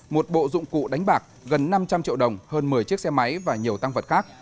một bộ dụng cụ đánh bạc gần năm trăm linh triệu đồng hơn một mươi chiếc xe máy và nhiều tăng vật khác